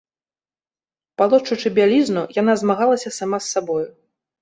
Палошчучы бялізну, яна змагалася сама з сабою.